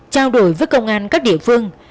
trao đổi với công an các địa phương